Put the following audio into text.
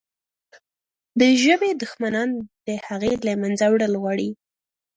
د ژبې دښمنان د هغې له منځه وړل غواړي.